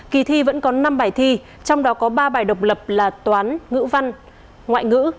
kỳ thi vẫn có năm bài thi trong đó có ba bài độc lập là toán ngữ văn ngoại ngữ